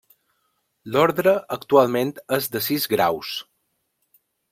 L'Ordre actualment és de sis graus.